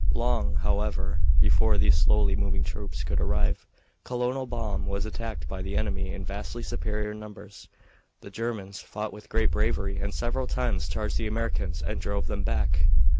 Long, however, before these slowly moving troops could arrive Colonel Baum was attacked by the enemy in vastly superior numbers. The Germans fought with great bravery and several times charged the Americans and drove them back.